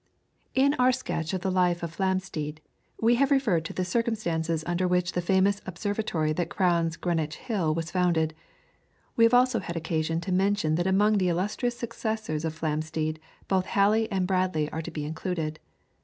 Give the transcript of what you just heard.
In our sketch of the life of Flamsteed, we have referred to the circumstances under which the famous Observatory that crowns Greenwich Hill was founded. We have also had occasion to mention that among the illustrious successors of Flamsteed both Halley and Bradley are to be included.